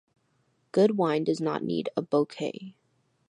Good wine does not need a bouquet.